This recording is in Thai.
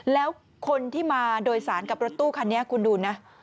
แล้วคนที่มาโดยสารกับรถตู้คันนี้คุณดูนะ